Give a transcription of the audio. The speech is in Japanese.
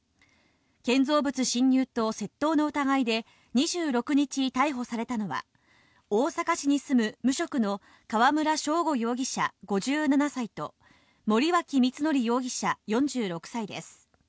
建造物侵入と窃盗の疑いで、２６日逮捕されたのは、大阪市に住む無職の河村尚吾容疑者５７歳と、森脇三徳容疑者４６歳です。